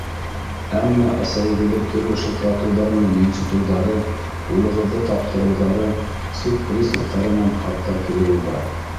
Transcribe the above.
Әммә әсәйегеҙҙе төрлө шылтыратыуҙар менән йонсотоуҙары, улығыҙҙы таптырыуҙары, суд приставтарынан хаттар килеүе бар.